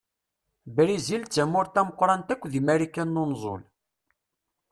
Brizil d tamurt tameqqṛant akk deg Marikan n unẓul.